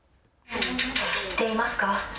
知っていますか。